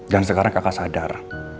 dan sekarang kakak sadar